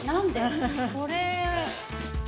これ。